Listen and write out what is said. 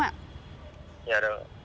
dạ được ạ